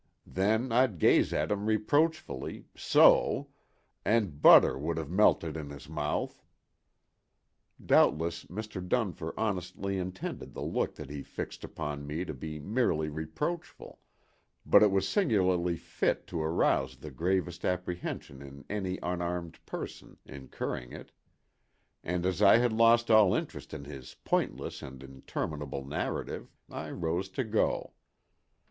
Then I'd gaze at him reproachfully, so, and butter wouldn't have melted in his mouth." Doubtless Mr. Dunfer honestly intended the look that he fixed upon me to be merely reproachful, but it was singularly fit to arouse the gravest apprehension in any unarmed person incurring it; and as I had lost all interest in his pointless and interminable narrative, I rose to go.